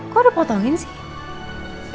kok udah potongin sih